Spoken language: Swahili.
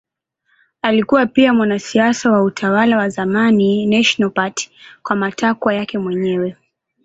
Alikuwa pia mwanasiasa wa utawala wa zamani National Party kwa matakwa yake mwenyewe.